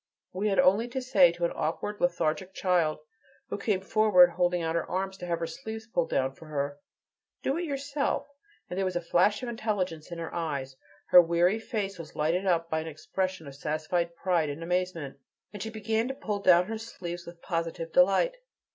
We had only to say to an awkward, lethargic child, who came forward holding out her arms to have her sleeves pulled down for her: "Do it yourself," and there was a flash of intelligence in her eyes, her weary face was lighted up by an expression of satisfied pride and amazement, and she began to pull down her sleeves with positive delight.